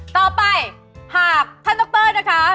ต่อไปถ้าท่านนอคเตอร์นะคะ